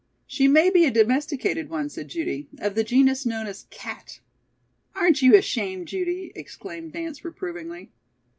"She may be a domesticated one," said Judy, "of the genus known as 'cat.'" "Aren't you ashamed, Judy?" exclaimed Nance, reprovingly.